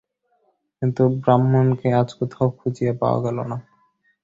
কিন্তু ব্রাহ্মণকে আজ কোথাও খুঁজিয়া পাওয়া গেল না।